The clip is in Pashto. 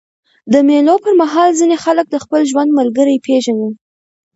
د مېلو پر مهال ځيني خلک د خپل ژوند ملګری پېژني.